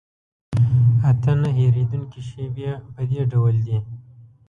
اته نه هېرېدونکي شیبې په دې ډول دي.